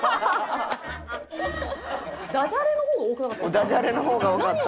ダジャレの方が多かった。